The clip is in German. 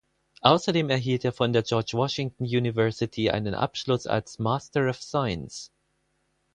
Außerdem erhielt er von der George Washington University einen Abschluss als Master of Science.